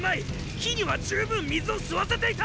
木には十分水を吸わせていた！